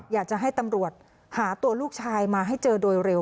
อยากจะให้ตำรวจหาตัวลูกชายมาให้เจอโดยเร็ว